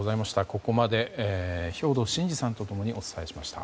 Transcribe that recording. ここまで兵頭慎治さんと共にお伝えしました。